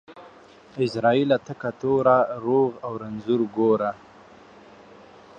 عزرائيله تکه توره ، روغ او رنځور گوره.